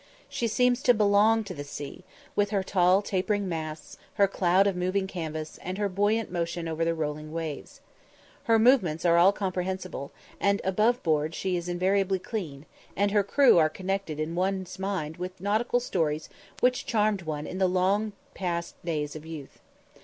She seems to belong to the sea, with her tall tapering masts, her cloud of moving canvas, and her buoyant motion over the rolling waves. Her movements are all comprehensible, and above board she is invariably clean, and her crew are connected in one's mind with nautical stories which charmed one in the long past days of youth.